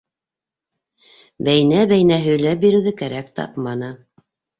Бәйнә-бәйнә һөйләп биреүҙе кәрәк тапманы.